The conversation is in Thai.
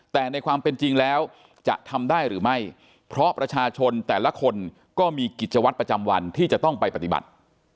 แต่ในความเป็นจริงแล้วจะทำได้หรือไม่เพราะประชาชนแต่ละคนก็มีกิจวัตรประจำวันที่จะต้องไปปฏิบัติ